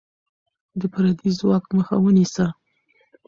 د پردی ځواک مخه ونیسه.